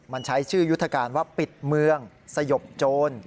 มันใช้ชื่อยุทธการว่าปิดเมืองสยบโจร